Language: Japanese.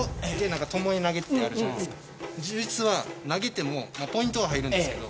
投げてもポイントは入るんですけど。